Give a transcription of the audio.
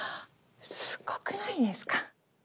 すごくないですか。